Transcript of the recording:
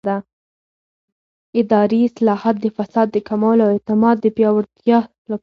اداري اصلاحات د فساد د کمولو او اعتماد د پیاوړتیا لپاره مهم دي